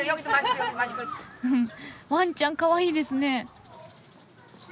ワンちゃんかわいいですね。